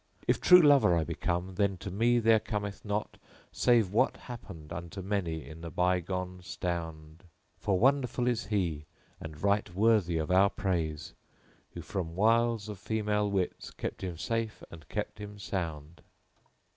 If true lover I become, then to me there cometh not * Save what happened unto many in the bygone stound. For wonderful is he and right worthy of our praise * Who fromwiles of female wits kept him safe and kept him sound."